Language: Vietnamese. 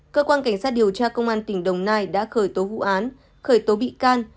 cơ quan cảnh sát điều tra công an tỉnh đồng nai đã khởi tố vụ án khởi tố bị can